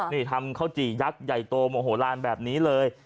นี่ทำข้าวจี่ยักษ์ใหญ่โตโมโหลานแบบนี้เลย